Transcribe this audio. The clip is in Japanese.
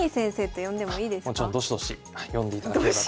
あっもちろんどしどし呼んでいただければと思います。